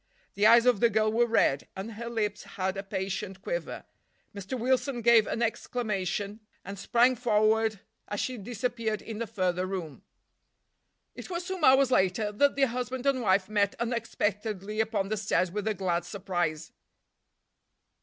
The eyes of the girl were red, and her lips had a patient quiver. Mr. Wilson gave an exclamation and sprang forward as she disappeared in the further room. It was some hours later that the husband and wife met unexpectedly upon the stairs with a glad surprise.